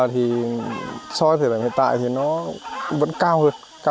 thì so với từ lúc mình ghép đến giờ thì so với từ lúc mình ghép đến giờ